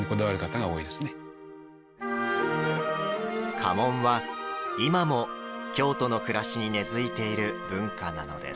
家紋は、今も京都の暮らしに根づいている文化なのです。